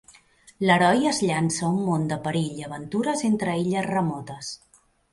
L'heroi es llança a un món de perill i aventura entre illes remotes.